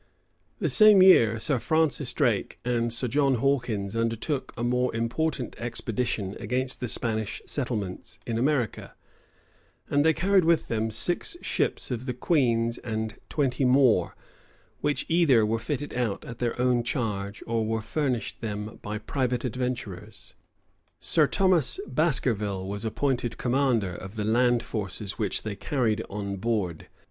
[*] The same year, Sir Francis Drake and Sir John Hawkins undertook a more important expedition against the Spanish settlements in America; and they carried with them six ships of the queen's and twenty more, which either were fitted out at their own charge, or were furnished them by private adventurers. Sir Thomas Baskerville was appointed commander of the land forces which they carried on board.